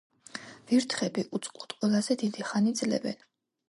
ვირთხები უწყლოდ ყველაზე დიდი ხანი ძლებენ